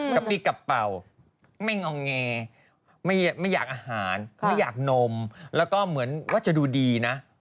กะปิกระเป๋าไม่งองแงไม่อยากอาหารไม่อยากนมแล้วก็เหมือนว่าจะดูดีนะ